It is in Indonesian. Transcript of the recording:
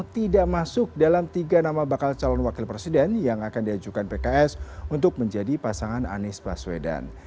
tidak masuk dalam tiga nama bakal calon wakil presiden yang akan diajukan pks untuk menjadi pasangan anies baswedan